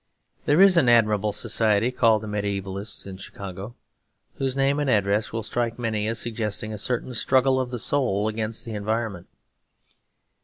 There is an admirable society called the Mediaevalists in Chicago; whose name and address will strike many as suggesting a certain struggle of the soul against the environment.